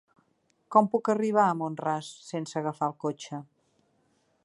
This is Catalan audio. Com puc arribar a Mont-ras sense agafar el cotxe?